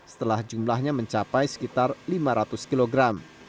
setelah jumlahnya mencapai sekitar lima ratus kilogram